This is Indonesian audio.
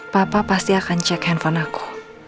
papa pasti akan cek handphone aku